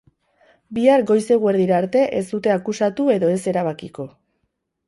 Bihar goiz-eguerdira arte ez dute akusatu edo ez erabakiko.